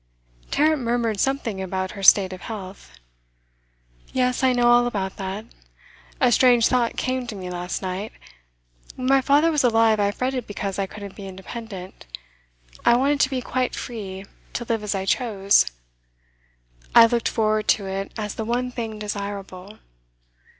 Tarrant murmured something about her state of health. 'Yes, I know all about that. A strange thought came to me last night. When my father was alive I fretted because I couldn't be independent; I wanted to be quite free, to live as I chose; I looked forward to it as the one thing desirable.